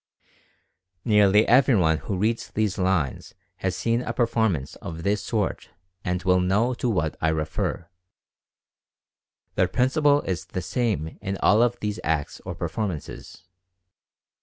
Nearly everyone who reads these lines has seen a performance of this sort and will know to what I refer. The principle is the same in all of these acts or performances.